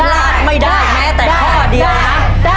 พลาดไม่ได้แม้แต่ข้อเดียวนะ